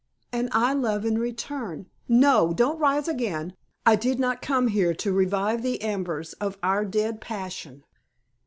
"And I love in return. No! Don't rise again. I did not come here to revive the embers of our dead passion."